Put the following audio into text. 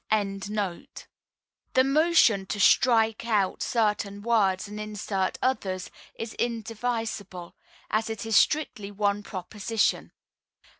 ] The motion to "strike out certain words and insert others," is indivisible, as it is strictly one proposition.